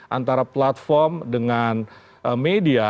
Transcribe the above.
antara platform dengan media